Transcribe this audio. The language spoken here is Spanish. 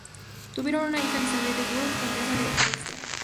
Tuvieron una hija, Elizabeth de Burgh, Condesa de Ulster.